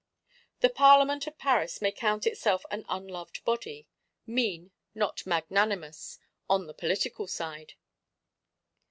The Parlement of Paris may count itself an unloved body; mean, not magnanimous, on the political side.